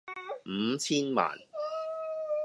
五千萬